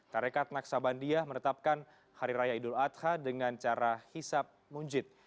tarekat naksabandia menetapkan hari raya idul adha dengan cara hisap munjid